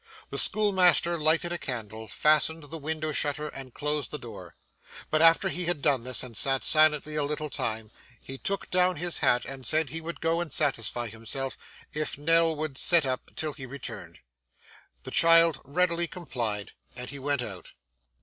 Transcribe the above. The schoolmaster lighted a candle, fastened the window shutter, and closed the door. But after he had done this, and sat silent a little time, he took down his hat, and said he would go and satisfy himself, if Nell would sit up till he returned. The child readily complied, and he went out.